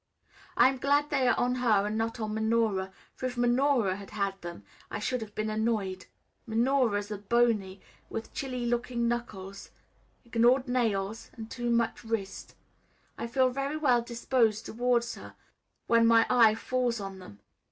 I am glad they are on her and not on Minora, for if Minora had had them I should have been annoyed. Minora's are bony, with chilly looking knuckles, ignored nails, and too much wrist. I feel very well disposed towards her when my eye falls on them.